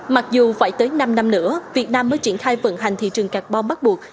mặc dù phải tới năm năm nữa việt nam mới triển khai vận hành thị trường carbon bắt buộc